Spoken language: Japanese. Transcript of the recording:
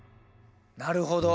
なるほど。